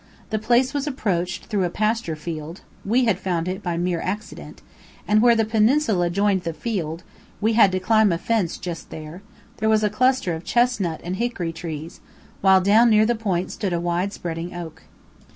The place was approached through a pasture field, we had found it by mere accident, and where the peninsula joined the field (we had to climb a fence just there), there was a cluster of chestnut and hickory trees, while down near the point stood a wide spreading oak.